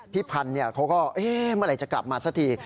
พันธุ์เขาก็เมื่อไหร่จะกลับมาสักที